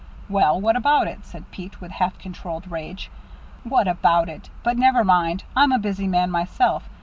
"Well, what about it?" said Pete, with half controlled rage. "What about it! But never mind. I'm a busy man myself.